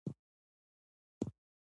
ژبني استعدادونه باید وروزل سي.